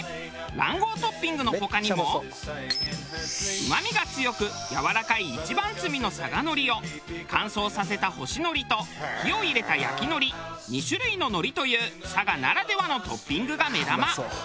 卵黄トッピングの他にもうまみが強くやわらかい一番摘みの佐賀海苔を乾燥させた干し海苔と火を入れた焼き海苔２種類の海苔という佐賀ならではのトッピングが目玉。